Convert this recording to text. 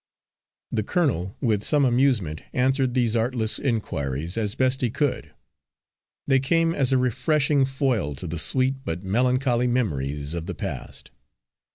The colonel, with some amusement, answered these artless inquiries as best he could; they came as a refreshing foil to the sweet but melancholy memories of the past.